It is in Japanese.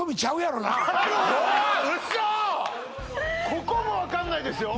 ここも分かんないですよ